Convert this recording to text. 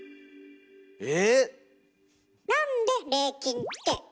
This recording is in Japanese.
え？